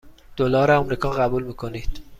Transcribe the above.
دلار آمریکا قبول می کنید؟